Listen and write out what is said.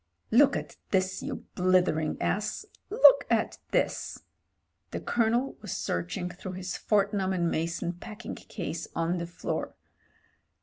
"Look at this, you blithering ass, look at this." The Colcmel was searching through his Fortnum and Mason packing case on the floor.